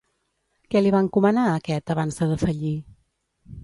Què li va encomanar, aquest, abans de defallir?